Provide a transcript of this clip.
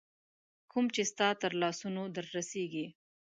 کوم چي ستا تر لاسونو در رسیږي